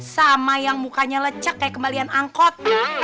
sama yang mukanya lecak kayak kembalian angkot